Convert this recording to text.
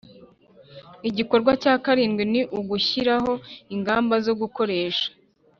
Igikorwa cya karindwi ni ugushyiraho ingamba zo gukoresha